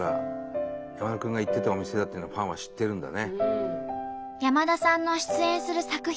山田君が行ってたお店だってのはファンは知ってるんだね。